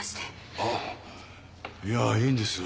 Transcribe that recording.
あぁいやいいんです。